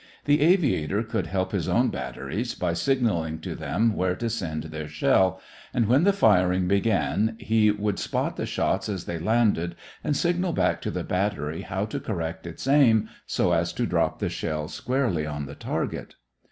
The aviator could help his own batteries by signaling to them where to send their shell, and when the firing began he would spot the shots as they landed and signal back to the battery how to correct its aim so as to drop the shell squarely on the target.